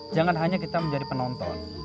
jangan hanya kita menjadi penonton